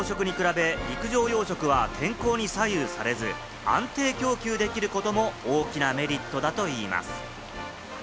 海での養殖に比べ、陸上養殖は天候に左右されず安定供給できることも大きなメリットだといいます。